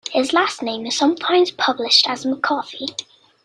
His last name is sometimes published as McCarthy.